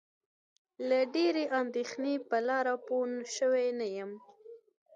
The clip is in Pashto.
له ډېرې اندېښنې په لاره پوی شوی نه یم.